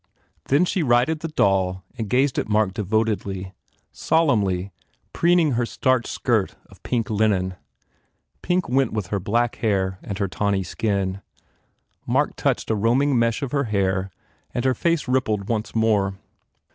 Then she righted the doll and gazed at Mark devotedly, solemnly, preening her starched skirt of pink linen. Pink went with her black hair and her tawny skin. Mark touched a roaming mesh of her hair and her face rippled once more.